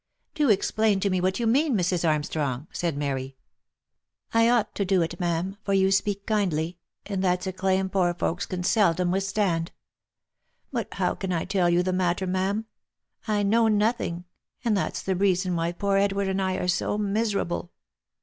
" Do explain to me what you mean, Mrs. Armstrong," said Mary. " I ought to do it, ma'am, for you speak kindly ; and that's a claim poor folks can seldom withstand. — But how can I tell you the matter, ma'am? I know nothing — and that's the reason why poor Edward and I are so miserable."